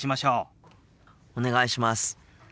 お願いします。